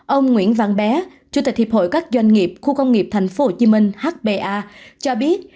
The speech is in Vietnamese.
ông nguyễn văn bé chủ tịch hiệp hội các doanh nghiệp khu công nghiệp tp hcm cho biết